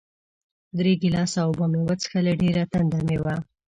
درې ګیلاسه اوبه مې وڅښلې، ډېره تنده مې وه.